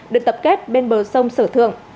được tập kết bên bờ sông sở thượng